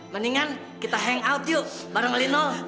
mendingan kita hangout yuk bareng lino